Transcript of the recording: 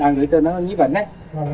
đang lấy chân đó là nhí vấn